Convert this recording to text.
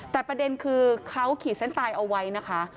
แต่ประเด็นคือเขาขี่เซ็นต์ไตล์เอาไว้นะคะ